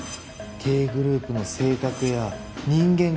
Ｋグループの性格や人間関係を。